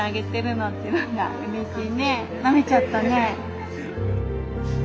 なめちゃったね。